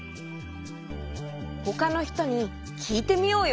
ほかのひとにきいてみようよ。